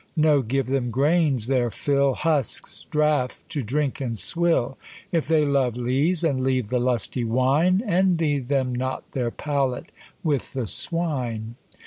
No, give them graines their fill, Husks, draff, to drink and swill. If they love lees, and leave the lusty wine, Envy them not their palate with the swine.